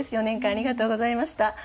４年間ありがとうございました。